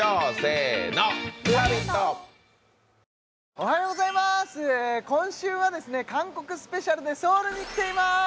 おはようございます今週はですね韓国スペシャルでソウルに来ています